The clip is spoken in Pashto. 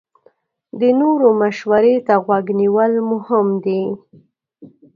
د نورو مشورې ته غوږ نیول مهم دي.